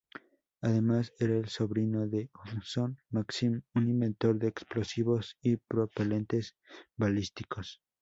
Además, era el sobrino de Hudson Maxim, un inventor de explosivos y propelentes balísticos.